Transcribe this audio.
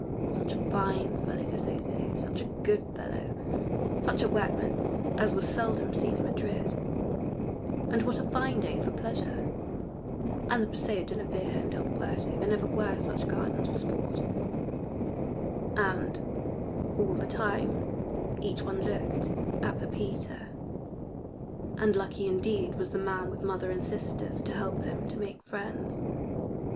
Such a fine fellow, this José such a good fellow such a workman as was seldom seen in Madrid. And what a fine day for pleasure. And the Paseo de la Virgen del Puerto there never were such gardens for sport. And all the time each one looked at Pepita, and lucky indeed was the man with mother and sisters to help him to make friends.